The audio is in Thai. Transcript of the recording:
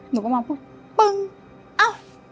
หนูก็มองปุ๊บปึ้งเอ้า